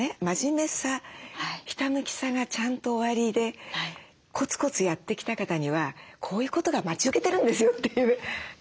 真面目さひたむきさがちゃんとおありでコツコツやってきた方にはこういうことが待ち受けてるんですよっていう。